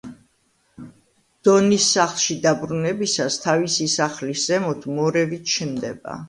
დონის სახლში დაბრუნებისას თავისი სახლის ზემოთ მორევი ჩნდება.